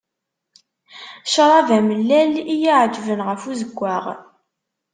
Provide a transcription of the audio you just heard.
Ccrab amellal i y-iεeǧben ɣef uzeggaɣ.